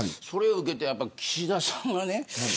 それを受けて岸田さんがね